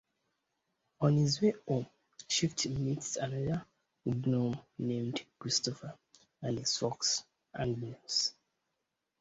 On his way home Swift meets another gnome named Christopher and his fox Agnes.